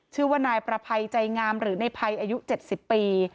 ชื่อว่านายประภัยใจงามหรือในภัยอายุ๗๐ปี